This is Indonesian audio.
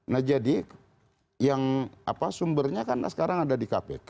nah jadi yang apa sumbernya karena sekarang ada di kpk